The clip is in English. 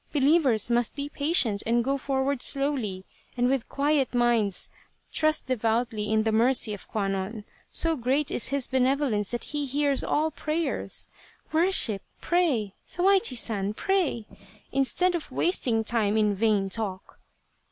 Believers must be patient and go forward slowly, and with quiet minds trust devoutly in the mercy of Kwannon. So great is his benevolence that He hears all prayers. Worship ! Pray ! Sawaichi San ! Pray ! instead of wasting time in vain talk."